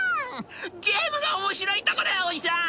ゲームが面白いとこだよおじさん！」。